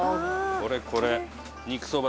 これこれ。